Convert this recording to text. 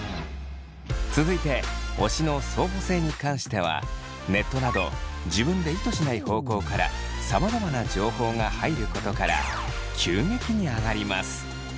続いて推しの相補性に関してはネットなど自分で意図しない方向からさまざまな情報が入ることから急激に上がります。